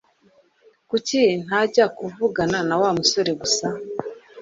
Kuki ntajya kuvugana na Wa musore gusa?